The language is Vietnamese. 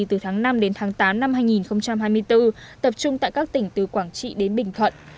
từ tháng năm đến tháng tám năm hai nghìn hai mươi bốn tập trung tại các tỉnh từ quảng trị đến bình thuận